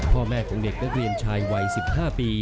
พ่อแม่ของเด็กนักเรียนชายวัย๑๕ปี